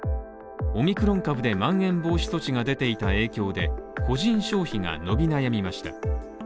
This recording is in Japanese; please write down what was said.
オミクロン株でまん延防止措置が出ていた影響で、個人消費が伸び悩みました。